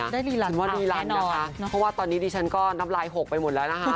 รีลันว่ารีลันนะคะเพราะว่าตอนนี้ดิฉันก็น้ำลายหกไปหมดแล้วนะคะ